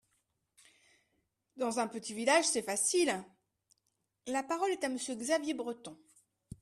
Dans un petit village, c’est facile ! La parole est à Monsieur Xavier Breton.